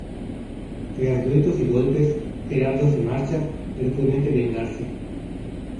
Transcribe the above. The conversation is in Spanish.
Tras gritos y golpes, Gerardo se marcha pero promete vengarse.